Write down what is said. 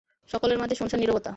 সকলের মাঝে শুনশান নীরবতা।